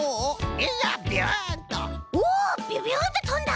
ビュビュンってとんだ！